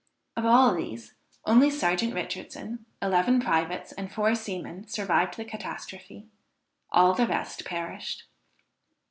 Of all these, only Serjeant Richardson, eleven privates, and four seamen, survived the catastrophe; all the rest perished.